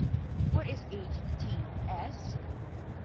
The term "emir eri" was used for a soldier that attends an officer.